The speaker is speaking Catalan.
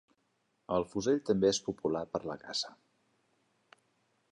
El fusell també és popular per a la caça.